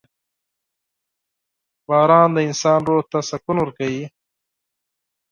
• باران د انسان روح ته سکون ورکوي.